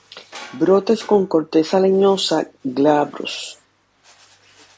Brotes con corteza leñosa, glabros.